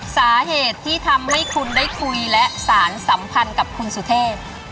สาเหตุที่ทำให้คุณได้คุยและสารสัมพันธ์กับคุณสุเทพ